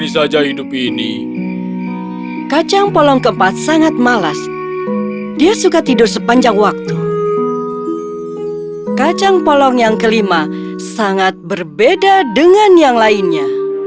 sangat berbeda dengan yang lainnya